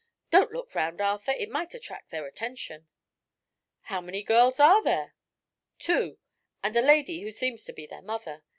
Don't look around, Arthur; it might attract their attention." "How many girls are there?" "Two; and a lady who seems to be their mother.